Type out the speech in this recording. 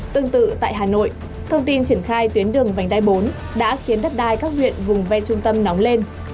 tương tự tại hà nội thông tin triển khai tuyến đường vành đai bốn đã khiến đất đai các huyện vùng ven trung tâm nóng lên